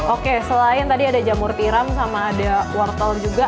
oke selain tadi ada jamur tiram sama ada wortel juga